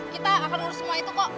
kita akan urus semua itu kok